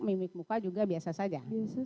mimik muka juga biasa saja